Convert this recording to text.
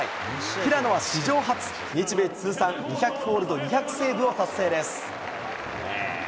平野は史上初、日米通算２００ホールド２００セーブを達成です。